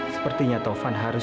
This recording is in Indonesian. sepertinya taufan harus